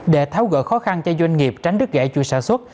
để tháo gỡ khó khăn cho doanh nghiệp tránh đứt gãy chuỗi sản xuất